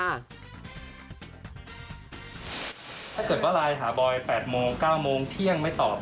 ถ้าเกิดว่าไลน์หาบอย๘โมง๙โมงเที่ยงไม่ตอบ